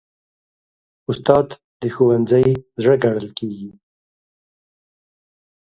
استاد د ښوونځي زړه ګڼل کېږي.